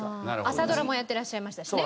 朝ドラもやってらっしゃいましたしね。